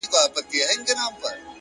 نیکي د انسان نوم ژوندی ساتي